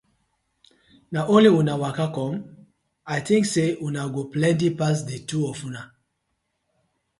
Na only una waka com? I tink say una go plenty pass di two of una.